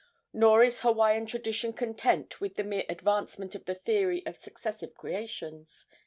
Nor is Hawaiian tradition content with the mere advancement of the theory of successive creations.